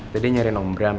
tadi nyariin om bram